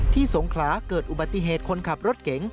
สงขลาเกิดอุบัติเหตุคนขับรถเก๋ง